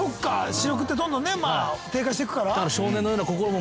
視力ってどんどんね低下していくから。